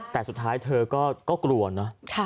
แต่สุดท้ายเธอก็กลัวนะ